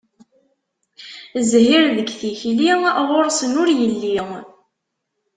Zzhir deg tikli, ɣur-sen ur yelli.